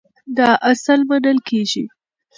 دا اصل منل کېږي.